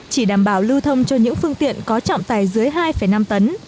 chỉ đảm bảo lưu thông cho những phương tiện có trọng tài dưới hai năm tấn